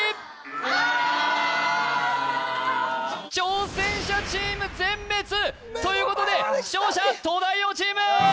ああっ挑戦者チーム全滅！ということで勝者東大王チーム！